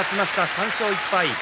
３勝１敗。